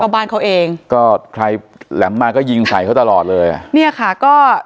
บ้านเขาเองก็ใครแหลมมาก็ยิงใส่เขาตลอดเลยอ่ะเนี่ยค่ะก็